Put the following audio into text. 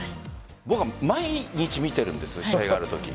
僕、毎日見ているんです試合あるとき。